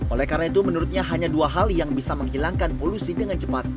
oleh karena itu menurutnya hanya dua hal yang bisa menghilangkan polusi dengan cepat